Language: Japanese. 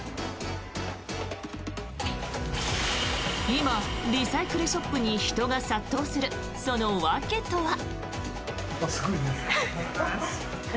今、リサイクルショップに人が殺到するその訳とは。